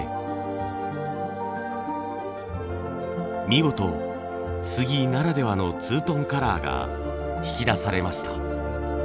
見事スギならではのツートンカラーが引き出されました。